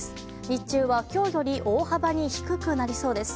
日中は今日より大幅に低くなりそうです。